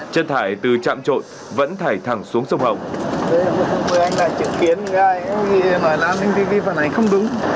chân thải từ chạm trộn vẫn thải thẳng xuống sông hồng